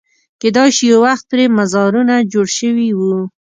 کېدای شي یو وخت پرې مزارونه جوړ شوي وو.